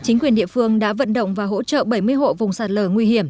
chính quyền địa phương đã vận động và hỗ trợ bảy mươi hộ vùng sạt lở nguy hiểm